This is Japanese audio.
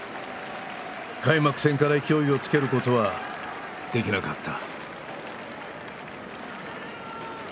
開幕戦から勢いをつけることはできなかった。